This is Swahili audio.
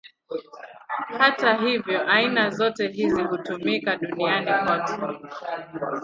Hata hivyo, aina zote hizi hutumika duniani kote.